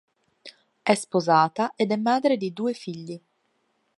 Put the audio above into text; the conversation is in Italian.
È sposata ed è madre di due figli.